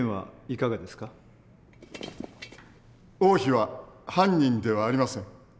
王妃は犯人ではありません。